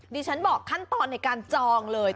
ดิฉันบอกขั้นตอนในการจองเลย